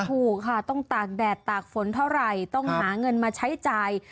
ถูกค่ะต้องตากแดดตากฝนเท่าไหร่ต้องหาเงินมาใช้จ่าย